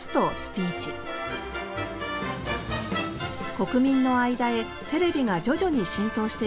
国民の間へテレビが徐々に浸透していく中